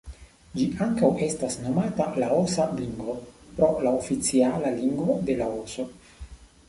Ĝi ankaŭ estas nomata laosa lingvo pro la oficiala lingvo de Laoso.